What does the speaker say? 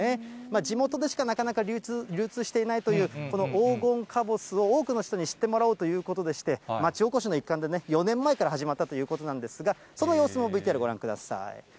地元でしかなかなか流通していないという、この黄金かぼすを、多くの人に知ってもらおうということでして、町おこしの一環でね、４年前から始まったということなんですが、その様子も、ＶＴＲ、ご覧ください。